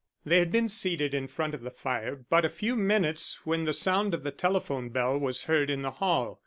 They had been seated in front of the fire but a few minutes when the sound of the telephone bell was heard in the hall.